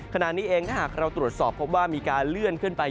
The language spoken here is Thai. ขณะนี้เองถ้าหากเราตรวจสอบพบว่ามีการเลื่อนขึ้นไป